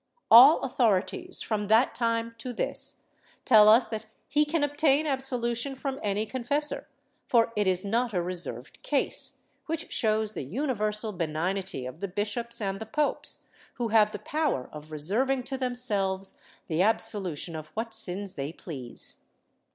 ^ All authori ties, from that time to this, tell us that he can obtain absolution from any confessor, for it is not a reserved case, which shows the universal benignity of the bishops and the popes, who have the power of reserving to themselves the absolution of what sins they please.